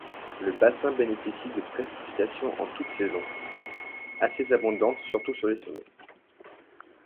Le bassin bénéficie de précipitations en toutes saisons, assez abondantes surtout sur les sommets.